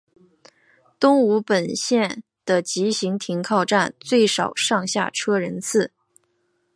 东武本线的急行停靠站最少上下车人次。